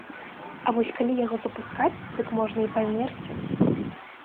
А вось калі яго запускаць, дык можна і памерці.